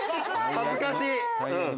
恥ずかしい！